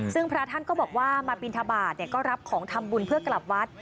ซึ่งพระท่านก็บอกว่ามาบินทบาทก็รับของทำบุญเพื่อกลับวัด